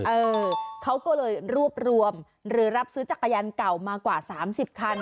เออเขาก็เลยรวบรวมหรือรับซื้อจักรยานเก่ามากว่า๓๐คัน